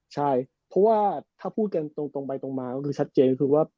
ใช่เพราะว่าถ้าพูดกันตรงไปตรงมาก็คือชัดเจนคือว่า